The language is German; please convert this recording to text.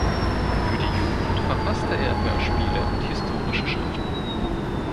Für die Jugend verfasste er Hörspiele und historische Schriften.